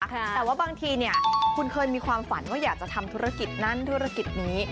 แต่ว่าบางทีคุณเคยมีความฝันว่าอยากจะทำธุรกิจนั้นธุรกิจนี้